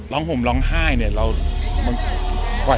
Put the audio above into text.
ร้องห่มร้องไห้เนี่ย